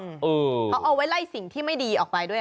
เขาเอาไว้ไล่สิ่งที่ไม่ดีออกไปด้วย